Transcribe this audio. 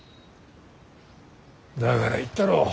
だから言ったろ。